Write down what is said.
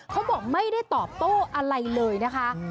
เขาบอกไม่ได้ตอบโต้อะไรเลยนะคะ